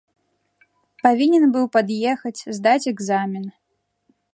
Павінен быў пад'ехаць, здаць экзамен.